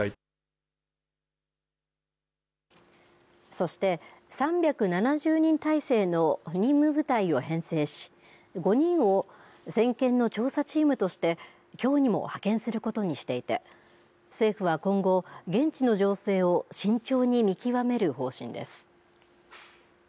そして３７０人態勢の任務部隊を編成し５人を先見の調査チームとしてきょうにも派遣することにしていて政府は今後、現地の情勢を慎重に見極める方針です。